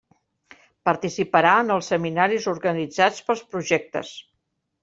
Participarà en els seminaris organitzats pels projectes.